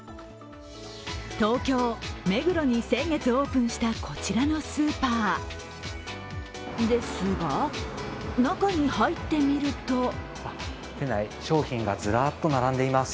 東京・目黒に先月オープンしたこちらのスーパーですが中に入ってみると店内、商品がずらーっと並んでいます。